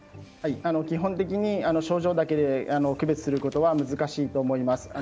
基本的に症状だけで区別することは難しいと思います。